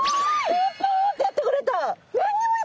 ポッポってやってくれた！